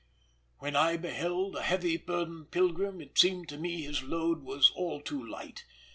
"When I beheld a heavy burdened pilgrim, It seemed to me his load was all too light.